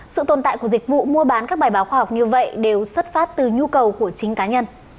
sự tồn tại của dịch vụ mua bán các bài báo khoa học như vậy đều xuất phát từ nhu cầu của chính cá nhân